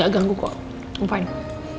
gak ganggu kok i'm fine